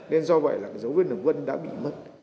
nên do vậy là cái dấu vết đường vân đã bị mất